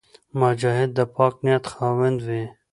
مجاهد د پاک نیت خاوند وي.